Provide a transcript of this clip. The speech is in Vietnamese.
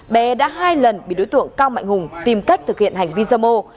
bé đã hai lần bị đối tượng cao mạnh hùng tìm cách thực hiện hành vi dâm ô